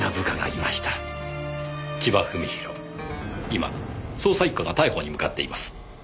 今捜査一課が逮捕に向かっています。